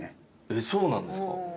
えっそうなんですか？